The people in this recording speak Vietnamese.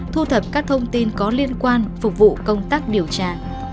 thu thập các thông tin có liên quan phục vụ công tác điều tra